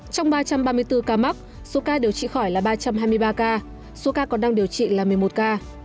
trong ba trăm ba mươi bốn ca mắc số ca điều trị khỏi là ba trăm hai mươi ba ca số ca còn đang điều trị là một mươi một ca